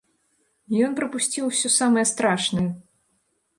Ён прапусціў ўсё самае страшнае.